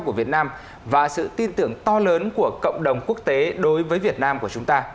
của việt nam và sự tin tưởng to lớn của cộng đồng quốc tế đối với việt nam của chúng ta